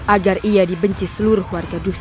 agar ia dibenci seluruh warga dusun